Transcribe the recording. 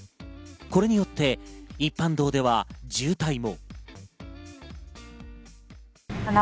これによって一般道では渋滞も。